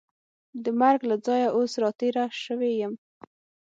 د مرګ له ځایه اوس را تېره شوې یم.